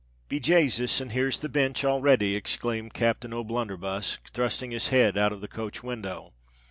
"Be Jasus! and here's the Binch already," exclaimed Captain O'Blunderbuss, thrusting his head out of the coach window.